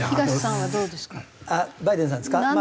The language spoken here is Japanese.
東さんはどうですか？